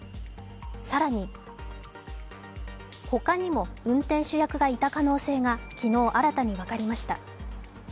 更にほかにも運転手役がいた可能性が昨日、新たに分かりました。